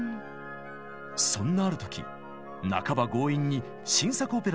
そんなある時半ば強引に新作オペラの台本を渡されます。